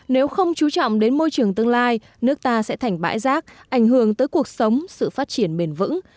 nếu không chú trọng đến môi trường tương lai nước ta sẽ thành bãi rác ảnh hưởng tới cuộc sống sự phát triển bền vững